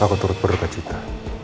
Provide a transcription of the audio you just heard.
aku turut berdua cinta